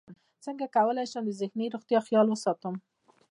څنګه کولی شم د ذهني روغتیا خیال وساتم